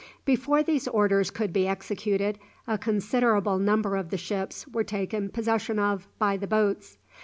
Before these orders could be executed, a considerable number of the ships were taken possession of by the boats.